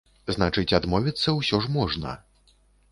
Значыць, адмовіцца ўсё ж можна!